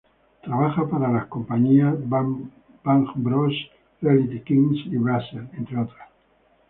Trabaja para las compañías Bangbros, Reality Kings y Brazzers, entre otras.